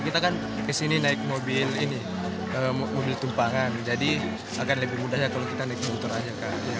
kita kan kesini naik mobil ini mobil tumpangan jadi akan lebih mudah ya kalau kita naik motor aja